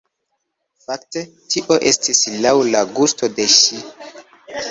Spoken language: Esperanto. Fakte tio estis laŭ la gusto de ŝi.